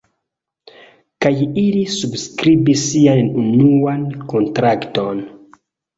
Kaj ili subskribis sian unuan kontrakton.